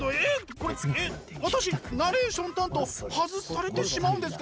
これえっ私ナレーション担当外されてしまうんですか？